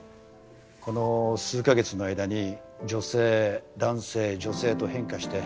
この数カ月の間に女性男性女性と変化して。